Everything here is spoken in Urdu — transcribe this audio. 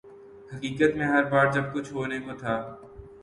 حقیقت میں ہر بار جب کچھ ہونے کو تھا۔